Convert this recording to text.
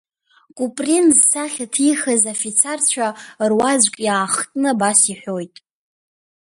Куприн зсахьа ҭихыз афицарцәа руаӡәк иаахтны абас иҳәоит…